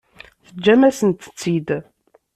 Teǧǧam-asent-tt-id.